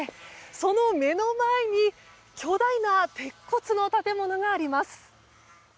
その目の前に巨大な鉄骨の建物があります。